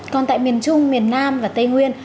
còn tại miền trung miền nam và tây nguyên